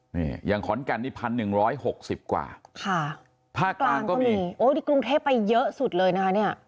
หยังขอนกันนี่๑๑๖๐กว่าภาคกลางก็มีโอ้ในกรุงเทศไปเยอะสุดเลยนะฮะ